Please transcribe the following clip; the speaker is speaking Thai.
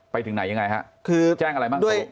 ไปถึงไหนยังไงฮะคือแจ้งอะไรบ้าง